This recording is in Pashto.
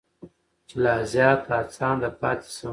چې لا زیات هڅانده پاتې شم.